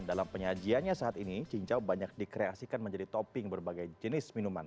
dalam penyajiannya saat ini cincau banyak dikreasikan menjadi topping berbagai jenis minuman